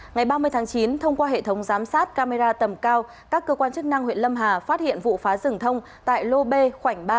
ngày ba mươi tháng chín thông qua hệ thống giám sát camera tầm cao các cơ quan chức năng huyện lâm hà phát hiện vụ phá rừng thông tại lô b khoảnh ba